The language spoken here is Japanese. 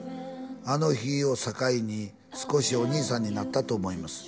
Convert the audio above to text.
「あの日を境に少しお兄さんになったと思います」